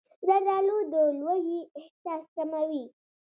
زردالو د لوږې احساس کموي.